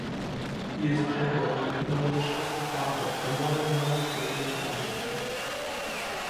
He is generally acknowledged as the father of the modern round brilliant diamond cut.